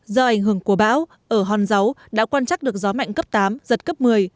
do ảnh hưởng của bão ở hòn dấu đã quan trắc được gió mạnh cấp tám giật cấp một mươi